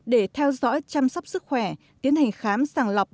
để theo dõi chăm sóc sức khỏe tiến hành khám sàng lọc